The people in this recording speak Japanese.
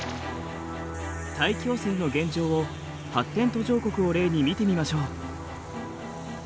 大気汚染の現状を発展途上国を例に見てみましょう。